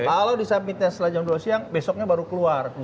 kalau disubmitnya setelah jam dua belas siang besoknya baru keluar